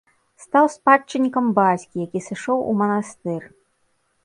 Стаў спадчыннікам бацькі, які сышоў у манастыр.